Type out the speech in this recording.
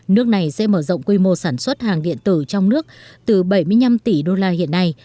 nước này sẽ mở rộng quy mô sản xuất hàng điện tử trong nước từ bảy mươi năm tỷ đô la hiện nay